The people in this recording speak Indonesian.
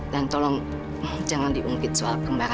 dan tolong jangan diungkit soal kembaran saya